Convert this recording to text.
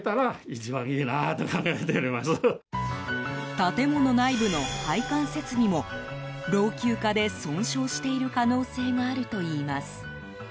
建物内部の配管設備も老朽化で損傷している可能性があるといいます。